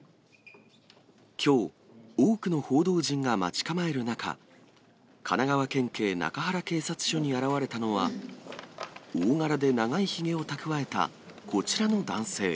きょう、多くの報道陣が待ち構える中、神奈川県警中原警察署に現われたのは、大柄で長いひげをたくわえたこちらの男性。